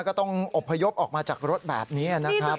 ก็ต้องอบพยพออกมาจากรถแบบนี้นะครับ